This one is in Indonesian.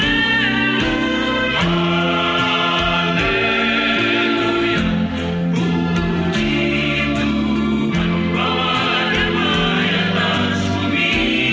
alleluia puji tuhan bawa dema yang tak sumi